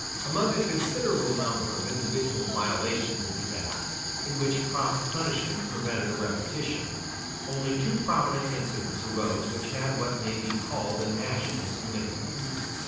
Among a considerable number of individual violations of the act, in which prompt punishment prevented a repetition, only two prominent incidents arose which had what may be called a national significance.